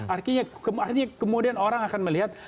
artinya kemudian orang akan melihat